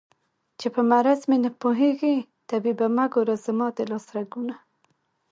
چې په مرض مې نه پوهېږې طبيبه مه ګوره زما د لاس رګونه